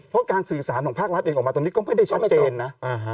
เพราะการสื่อสารของภาครัฐเองออกมาตรงนี้ก็ไม่ได้ชัดเจนนะ